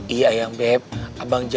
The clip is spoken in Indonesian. iya yang beb abang jaya